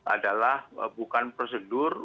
adalah bukan prosedur